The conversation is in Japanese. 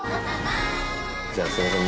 じゃあすいません